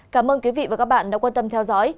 cảm ơn quý vị và các bạn đã quan tâm theo dõi